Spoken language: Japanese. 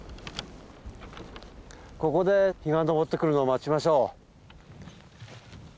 ここで日が昇ってくるのを待ちましょう。